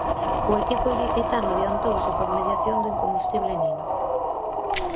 O equipo ilicitano adiantouse por mediación do incombustible Nino.